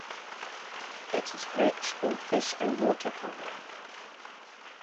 It is rich in fish and waterfowl.